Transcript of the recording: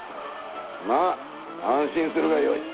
まあ安心するがよい。